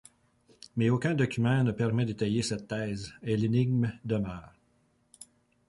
Mais aucun document ne permet d’étayer cette thèse, et l’énigme demeure.